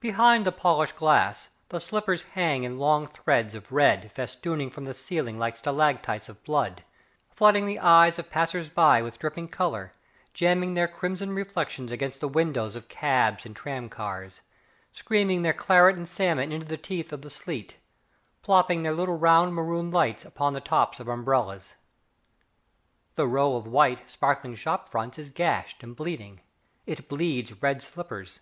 Behind the polished glass, the slippers hang in long threads of red, festooning from the ceiling like stalactites of blood, flooding the eyes of passers by with dripping colour, jamming their crimson reflections against the windows of cabs and tram cars, screaming their claret and salmon into the teeth of the sleet, plopping their little round maroon lights upon the tops of umbrellas. The row of white, sparkling shop fronts is gashed and bleeding, it bleeds red slippers.